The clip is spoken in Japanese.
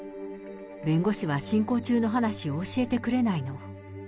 弁護士は進行中の話を教えてくれないの。